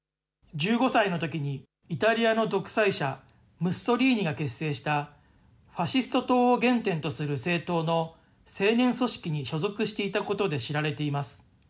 １５歳のときにイタリアの独裁者、ムッソリーニが結成したファシスト党を原点とする政党の青年組織に所属していたことで知られています。